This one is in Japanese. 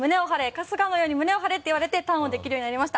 春日のように胸を張れと言われてターンをできるようになりました。